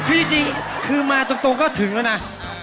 คือจริงคือมาตรงก็ถึงแล้วนะ